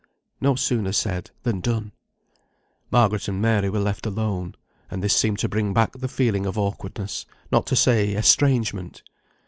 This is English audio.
No sooner said, than done. Margaret and Mary were left alone. And this seemed to bring back the feeling of awkwardness, not to say estrangement.